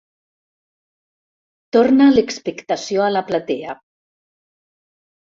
Torna l'expectació a la platea.